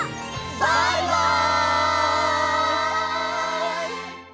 バイバイ！